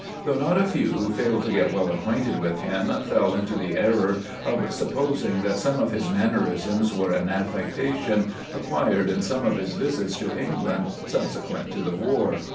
Though not a few who failed to get well acquainted with him fell into the error of supposing that some of his mannerisms were an affectation acquired in some of his visits to England subsequent to the war.